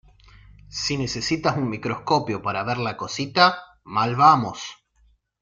si necesitas un microscopio para ver la cosita, mal vamos.